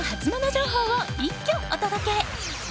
情報を一挙お届け。